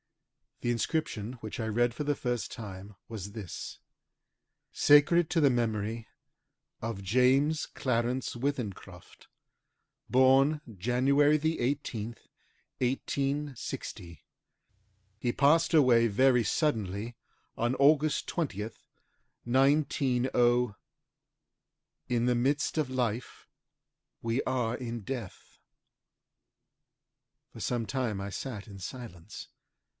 The inscription which I read for the first time was this SACRED TO THE MEMORY OF JAMES CLARENCE WITHENCROFT. BORN JAN. 18TH, 1860. HE PASSED AWAY VERY SUDDENLY ON AUGUST 20TH, 190 "In the midst of life we are in death." For some time I sat in silence.